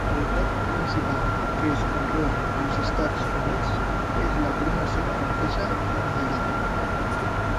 La varietat principal que es conrea als Estats Units és la pruna seca francesa millorada.